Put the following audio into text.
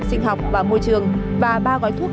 sinh học và môi trường và ba gói thuốc